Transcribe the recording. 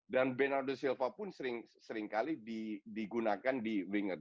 dan bernardo silva pun seringkali digunakan di winger